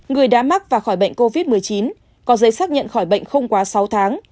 người đã mắc và khỏi bệnh covid một mươi chín có giấy xác nhận khỏi bệnh không quá sáu tháng